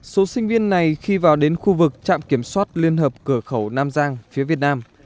số sinh viên này khi vào đến khu vực trạm kiểm soát liên hợp cửa khẩu nam giang phía việt nam